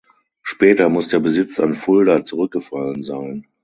Später muss der Besitz an Fulda zurückgefallen sein.